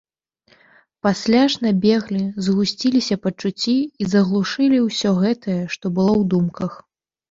Пасля ж набеглі, згусціліся пачуцці і заглушылі ўсё гэтае, што было ў думках.